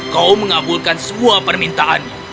kau mengabulkan semua permintaannya